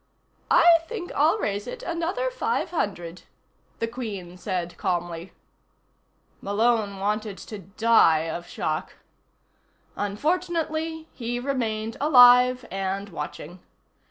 "I think I'll raise it another five hundred," the Queen said calmly. Malone wanted to die of shock. Unfortunately, he remained alive and watching.